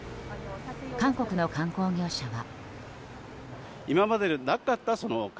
韓国の観光業者は。